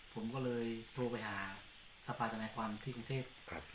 ผมก็เลยโทรไปหาสภาธนาความที่กรุงเทพ